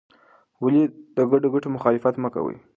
ولې د ګډو ګټو مخالفت مه کوې؟